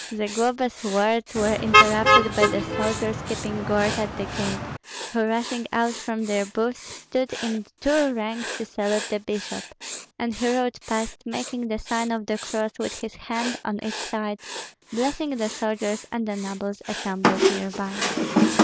Zagloba's words were interrupted by the soldiers keeping guard at the gate, who rushing out from their booths stood in two ranks to salute the bishop; and he rode past, making the sign of the cross with his hand on each side, blessing the soldiers and the nobles assembled near by.